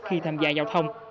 khi tham gia giao thông